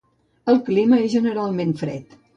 El clima és generalment fred.